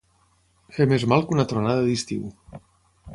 Fer més mal que una tronada d'estiu.